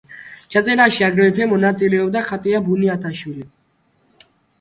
ჩაწერაში აგრეთვე მონაწილეობდა ხატია ბუნიათიშვილი.